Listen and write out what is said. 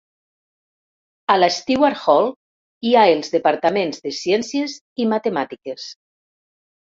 A la Stewart Hall hi ha els departaments de ciències i matemàtiques.